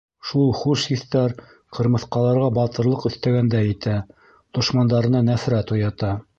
Шул хуш еҫтәр ҡырмыҫҡаларға батырлыҡ өҫтәгәндәй итә, дошмандарына нәфрәт уята.